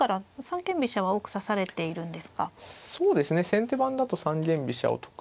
先手番だと三間飛車を得意に。